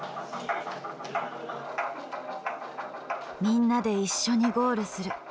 「みんなで一緒にゴールする」